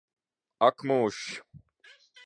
Ak mūžs!